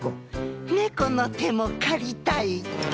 「猫の手も借りたい」。